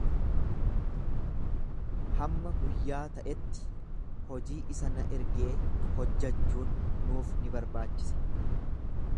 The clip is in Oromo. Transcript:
Hamma guyyaa ta'etti hojii isa na ergee hojjachuun nuuf ni barbaachisa.